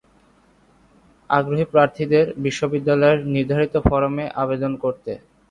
আগ্রহী প্রার্থীদের বিশ্ববিদ্যালয়ের নির্ধারিত ফরমে আবেদন করতে...